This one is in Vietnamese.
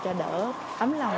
cho đỡ ấm lòng